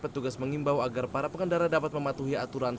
petugas mengimbau agar para pengendara dapat mematuhi aturan